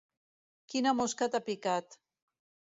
Quina mosca t'ha picat.